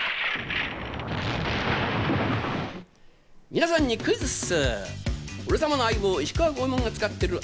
皆さんにクイズッス！